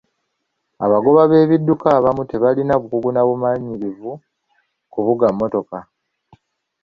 Abagoba b'ebidduka abamu tebalina bukugu na bumanyirivu kuvuga mmotoka.